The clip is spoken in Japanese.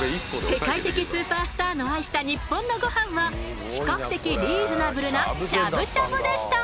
世界的スーパースターの愛したニッポンのゴハンは比較的リーズナブルなしゃぶしゃぶでした。